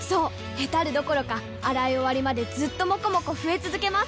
ヘタるどころか洗い終わりまでずっともこもこ増え続けます！